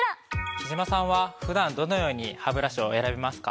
貴島さんは普段どのようにハブラシを選びますか？